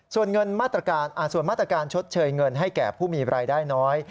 ส่วนเงินส่วนมาตรการชดเชยเงินให้แก่ผู้มีรายได้น้อย